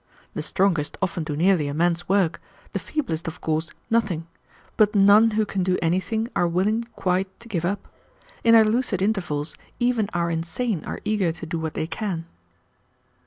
The strongest often do nearly a man's work, the feeblest, of course, nothing; but none who can do anything are willing quite to give up. In their lucid intervals, even our insane are eager to do what they can."